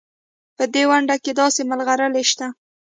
په دې ونډه کې داسې ملغلرې شته.